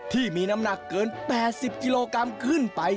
ที่มีน้ำหนักเกิน๘๐กิโลกรัมขึ้นไป